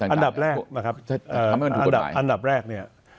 อันดับแรกนะครับอันดับแรกเนี่ย